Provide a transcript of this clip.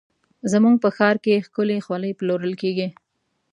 زموږ په ښار کې ښکلې خولۍ پلورل کېږي.